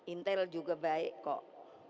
intel juga baik kok